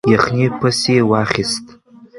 یخنۍ پسې واخیست.